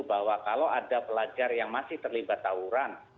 bahwa kalau ada pelajar yang masih terlibat tawuran